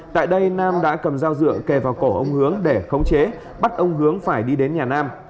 tại đây nam đã cầm dao dựa kề vào cổ ông hướng để khống chế bắt ông hướng phải đi đến nhà nam